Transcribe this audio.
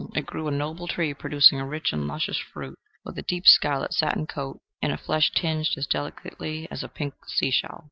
It grew a noble tree, producing a rich and luscious fruit, with a deep scarlet satin coat, and a flesh tinged as delicately as a pink seashell.